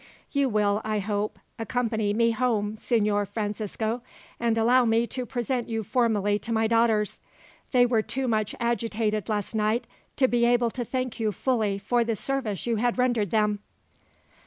"You will, I hope, accompany me home, Signor Francisco, and allow me to present you formally to my daughters. They were too much agitated, last night, to be able to thank you fully for the service you had rendered them.